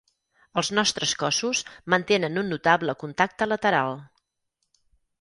Els nostres cossos mantenen un notable contacte lateral.